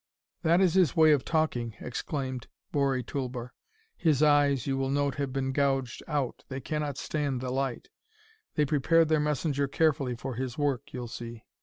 "That is his way of talking," explained Bori Tulber. "His eyes, you will note, have been gouged out. They cannot stand the light; they prepared their messenger carefully for his work, you'll see."